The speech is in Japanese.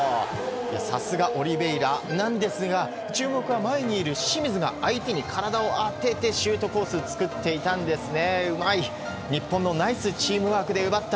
さすが、オリベイラなんですが注目は、前にいる清水が相手に体を当ててシュートコースを作っていたんですね。